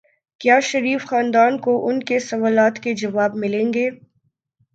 کیا شریف خاندان کو ان کے سوالات کے جواب ملیں گے؟